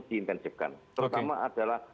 diintensifkan pertama adalah